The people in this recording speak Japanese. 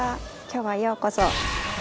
今日はようこそ。